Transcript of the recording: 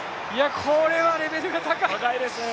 これはレベルが高い。